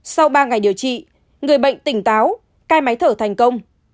sau ba ngày điều trị người bệnh tỉnh táo cai máy thở thành công